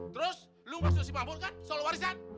terus lu ngasut si mahmud kan soal warisan